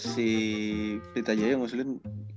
si plit aja ya ngusulin